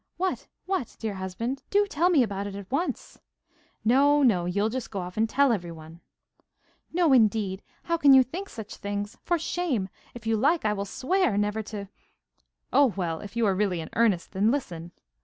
'What, what, dear husband? Do tell me all about it at once.' 'No, no, you'll just go off and tell everyone.' 'No, indeed! How can you think such things! For shame! If you like I will swear never to ' 'Oh, well! if you are really in earnest then, listen.